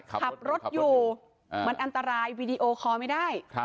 ขับรถอยู่มันอันตรายวีดีโอคอลไม่ได้